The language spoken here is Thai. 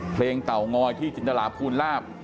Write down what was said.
เพลงเตางอยที่จินตลาบพูนลาบ